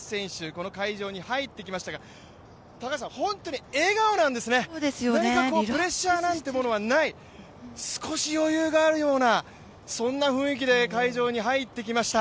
この会場に入ってきましたが本当に笑顔なんですね、プレッシャーなんてものはない、少し余裕があるようなそんな雰囲気で会場に入ってきました。